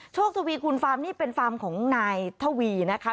ทวีคุณฟาร์มนี่เป็นฟาร์มของนายทวีนะคะ